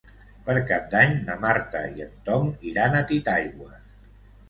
Per Cap d'Any na Marta i en Tom iran a Titaigües.